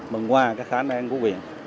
mừng hoa khả năng của huyện